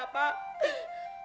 ada apa ada apa